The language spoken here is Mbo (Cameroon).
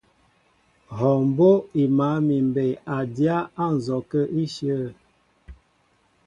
Hɔɔ mbó' í máál mi mbey a dyá á nzɔkə íshyə̂.